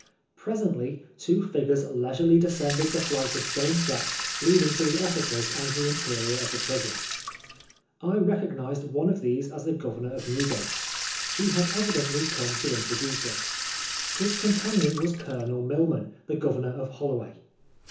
Presently two figures leisurely descended the flight of stone steps leading to the of&ces and the interior of the prison. I ' recognised one of these as the Governor of Newgate. He had evidently come to introduce us* His companion was Colonel Milman, the Oovemor of Holloway.